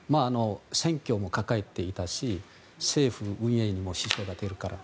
選挙も抱えていたし政府の運営にも支障が出るから。